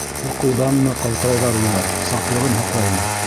Ҡурҡыуҙанмы ҡалтырайҙар улар, Сафлығын һаҡлаймы?